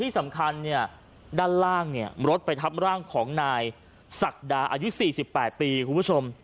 ที่สำคัญเนี่ยด้านล่างเนี่ยรถไปทับร่างของนายศักดาอายุ๔๘ปีคุณผู้ชม